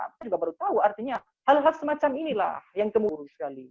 kita juga baru tahu artinya hal hal semacam inilah yang kemuru sekali